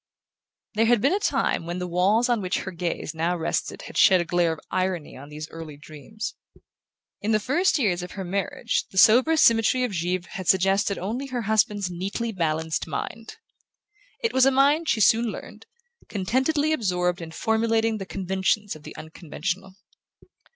There had been a time when the walls on which her gaze now rested had shed a glare of irony on these early dreams. In the first years of her marriage the sober symmetry of Givre had suggested only her husband's neatly balanced mind. It was a mind, she soon learned, contentedly absorbed in formulating the conventions of the unconventional.